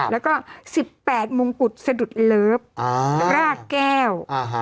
แล้วก็๑๘มงกุฎสะดุดเลิฟรากแก้ว